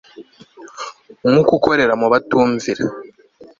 mwuka ukorera mu batumvira